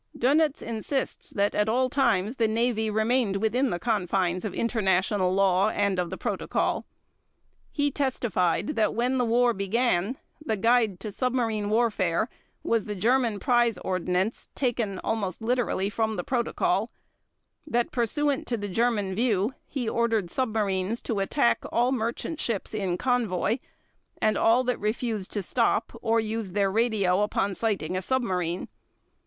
Dönitz insists that at all times the Navy remained within the confines of international law and of the Protocol. He testified that when the war began, the guide to submarine warfare was the German Prize Ordinance taken almost literally from the Protocol, that pursuant to the German view, he ordered submarines to attack all merchant ships in convoy, and all that refused to stop or used their radio upon sighting a submarine.